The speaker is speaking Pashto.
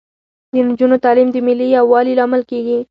د نجونو تعلیم د ملي یووالي لامل کیږي.